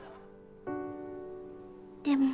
でも